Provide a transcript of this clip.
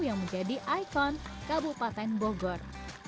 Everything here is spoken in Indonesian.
yang menjadi ikon kabupaten bogor